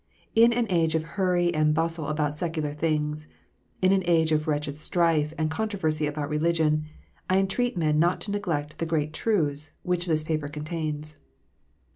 In an age of hurry and bustle about secular things, in an age of wretched strife and con troversy about religion, I entreat men not to neglect the great truths which this paper contains.